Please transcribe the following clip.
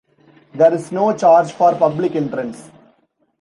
There is no charge for public entrance.